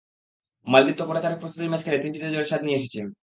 মালদ্বীপ তো গোটা চারেক প্রস্তুতি ম্যাচ খেলে তিনটিতে জয়ের স্বাদ নিয়ে এসেছে।